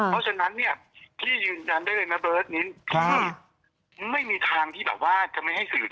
เพื่อให้น้องวิ่งตามไปค่ะหน้ามีนี่ไม่มีเหตุผลที่พี่จะไปแบบ